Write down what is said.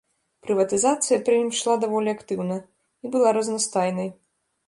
Прыватызацыя пры ім ішла даволі актыўна і была разнастайнай.